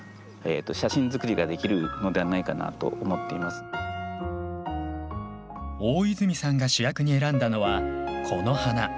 ここの世界の大泉さんが主役に選んだのはこの花。